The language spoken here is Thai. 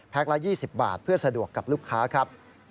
ละ๒๐บาทเพื่อสะดวกกับลูกค้าครับ